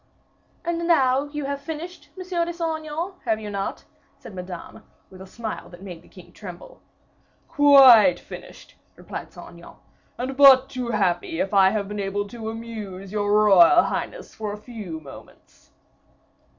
"And now you have finished, Monsieur de Saint Aignan, have you not?" said Madame, with a smile that made the king tremble. "Quite finished," replied Saint Aignan, "and but too happy if I have been able to amuse your royal highness for a few moments."